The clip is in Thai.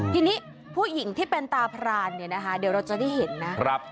ทีนี้ผู้หญิงที่เป็นตาพรานเนี่ยนะคะเดี๋ยวเราจะได้เห็นนะครับ